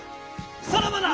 さらばだ！